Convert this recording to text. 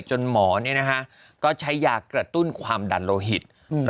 หมอก็ใช้ยากระตุ้นความดันโลหิต